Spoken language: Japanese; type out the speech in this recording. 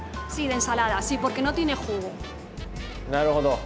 なるほど。